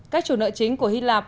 các chủ nợ chính của hy lạp